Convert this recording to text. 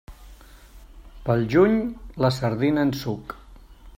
Pel juny, la sardina en suc.